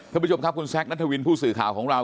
คุณผู้ชมครับคุณแซคนัทวินผู้สื่อข่าวของเรา